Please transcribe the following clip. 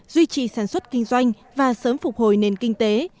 duy trì sản xuất kinh doanh và sớm phục hồi nền kinh tế